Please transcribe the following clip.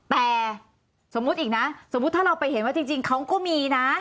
แต่สมมุติอีกนะสมมุติถ้าเราไปเห็นว่าจริงเขาก็มีนะ